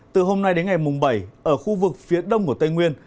từ hôm nay đến ngày mùng bảy ở khu vực phía đông của tây nguyên